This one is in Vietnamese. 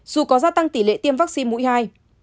dù có gia tăng tỷ lệ tiêm vaccine mũi hai